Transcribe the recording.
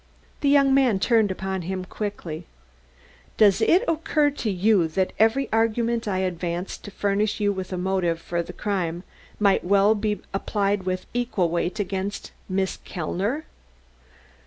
The young man turned upon him quickly. "Does it occur to you that every argument I advanced to furnish you with a motive for the crime might be applied with equal weight against against Miss Kellner?"